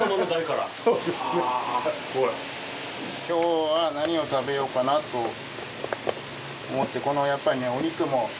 今日は何を食べようかなと思ってこのお肉も。